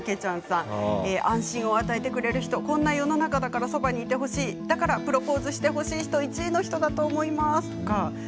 安心を与えてくれる人、こんな世の中だからそばにいてほしい、プロポーズしてほしい１位の人だと思います。